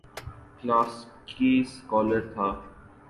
کلاسیکی سکالر تھا۔